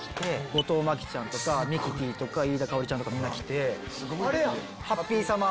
後藤真希ちゃんとかミキティとか飯田圭織ちゃんとかみんな来て。